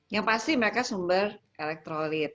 yang pasti mereka sumber elektrolit